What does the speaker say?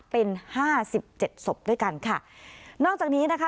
เป็นห้าสิบเจ็ดศพด้วยกันค่ะนอกจากนี้นะคะ